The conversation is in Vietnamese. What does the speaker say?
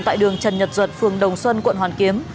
tại đường trần nhật duật phường đồng xuân quận hoàn kiếm